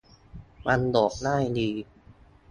มันโหลดง่ายดี